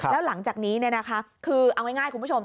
แล้วหลังจากนี้คือเอาง่ายคุณผู้ชม